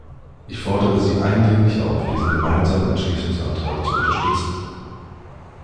Ich fordere Sie eindringlich auf, diesen gemeinsamen Entschließungsantrag zu unterstützen.